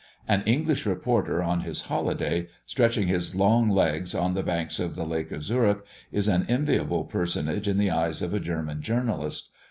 An English reporter in his holidays, stretching his long legs on the banks of the lake of Zürich, is an enviable personage in the eyes of a German journalist.